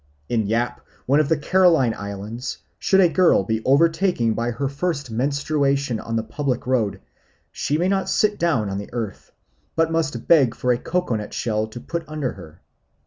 In Yap, one of the Caroline Islands, should a girl be overtaken by her first menstruation on the public road, she may not sit down on the earth, but must beg for a coco nut shell to put under her.